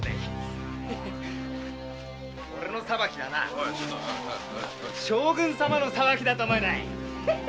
オレの裁きは将軍様のお裁きだと思いな。